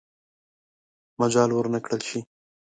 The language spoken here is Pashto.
مجال ورنه کړل شي.